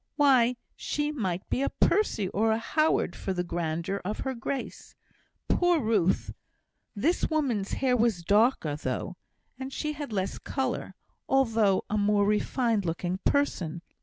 Why, she might be a Percy or a Howard for the grandeur of her grace! Poor Ruth! This woman's hair was darker, though; and she had less colour; altogether a more refined looking person.